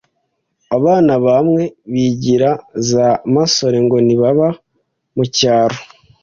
Abana bamwe bigira za masore ngo ntibaba mu cyaro.